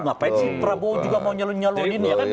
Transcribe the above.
ngapain si prabowo juga mau nyalur nyalurin ini ya kan